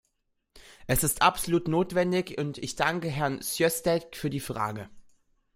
Es ist absolut notwendig und ich danke Herrn Sjöstedt für die Frage.